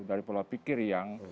dari pola pikir yang